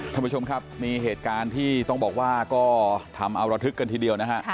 ท่านผู้ชมครับมีเหตุการณ์ที่ต้องบอกว่าก็ทำเอาระทึกกันทีเดียวนะฮะ